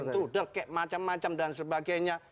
tudel kayak macam macam dan sebagainya